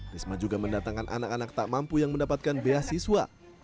risma juga mendatangkan anak anak tak mampu yang mendapatkan beasiswa